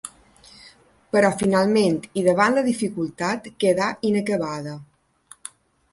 Però finalment i davant la dificultat quedà inacabada.